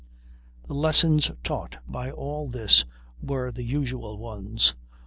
The lessons taught by all this were the usual ones.